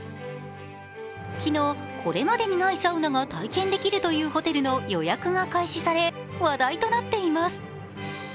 昨日、これまでにないサウナが体験できるというホテルの予約が開始され、話題となっています。